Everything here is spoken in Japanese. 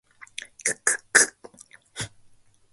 kkk